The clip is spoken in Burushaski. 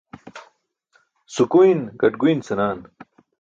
Sukuyn gaṭguyn senaan.